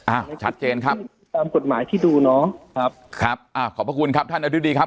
อ่ะชัดเจนครับตามกฎหมายที่ดูเนาะครับครับอ่าขอบพระคุณครับท่านอธิบดีครับ